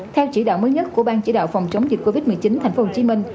theo chỉ đạo mới nhất của ban chỉ đạo phòng chống dịch covid một mươi chín thành phố hồ chí minh